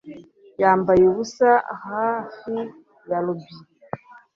yambaye ubusa hafi ya lobby